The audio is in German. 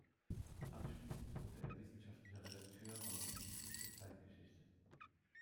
Anschließend wurde er wissenschaftlicher Redakteur beim Institut für Zeitgeschichte.